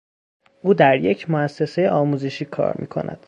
او در یک موسسهی آموزشی کار میکند.